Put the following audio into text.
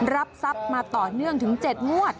รับทรัพย์มาต่อเนื่องถึง๗งวด